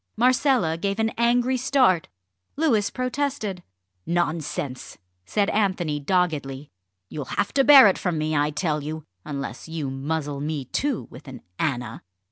Marcella gave an angry start. Louis protested. "Nonsense!" said Anthony doggedly; "you'll have to bear it from me, I tell you unless you muzzle me too with an Anna."